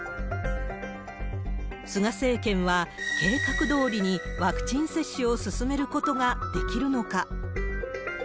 菅政権は計画どおりにワクチン接種を進めることができるのか。